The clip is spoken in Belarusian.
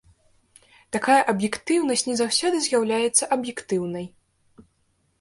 Такая аб'ектыўнасць не заўсёды з'яўляецца аб'ектыўнай.